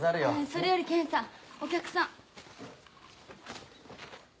それより剣さんお客さん。